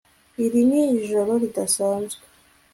Iri ni ijoro ridasanzwe